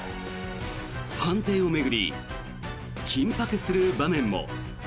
判定を巡り緊迫する場面も。